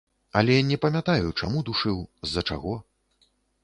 Але не памятаю, чаму душыў, з-за чаго.